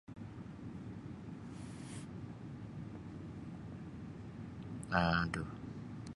Aduh.